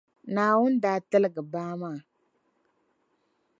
Naawuni daa tiligi baa maa.